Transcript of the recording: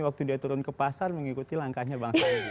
waktu dia turun ke pasar mengikuti langkahnya bang sandi